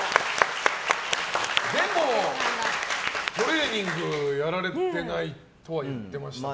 でも、トレーニングやられてないとは言ってましたよね。